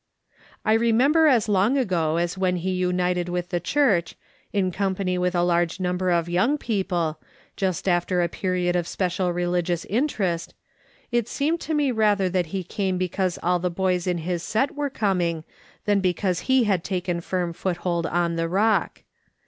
I remember as long ago as when he united with the Churcli, in company with a large number of young people, just after a period of special religious interest, it seemed to me rather that he came because all tlie bo}'s in his set were coming than because he he had taken firm foothold on the Eock.